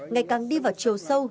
ngày càng đi vào chiều sâu